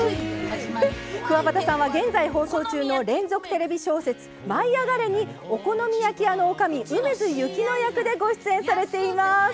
くわばたさんは現在放送中の連続テレビ小説「舞いあがれ！」にお好み焼き屋のおかみ梅津雪乃役でご出演されています。